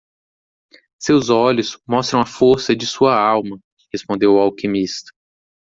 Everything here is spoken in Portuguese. "Seus olhos mostram a força de sua alma?" respondeu o alquimista.